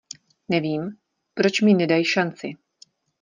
Nevím, proč mi nedaj šanci.